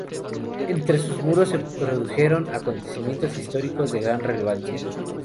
Entre sus muros se produjeron acontecimientos históricos de gran relevancia.